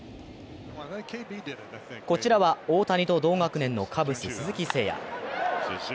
こちらは、大谷と同学年のカブス・鈴木誠也。